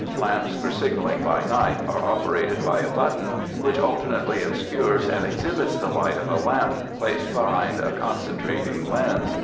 Lamps for signalling by night are operated by a button which alternately obscures and exhibits the light of a lamp placed behind a concentrating lens.